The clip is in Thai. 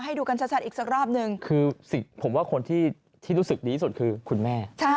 ให้ดูกันชัดอีกรอบนึงคือตรีผมว่าคนที่ที่รู้สึกดีที่สุดคือคุณแม่